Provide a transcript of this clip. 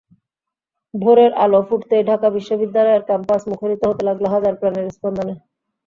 ভোরের আলো ফুটতেই ঢাকা বিশ্ববিদ্যালয়ের ক্যাম্পাস মুখরিত হতে লাগল হাজার প্রাণের স্পন্দনে।